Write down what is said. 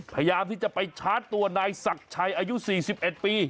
พยายามที่จะไปชาร์จตัวนายศักดิ์ชัยอายุ๔๑ปี